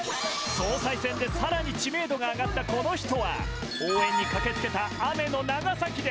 総裁選でさらに知名度が上がったこの人は、応援に駆けつけた雨の長崎で。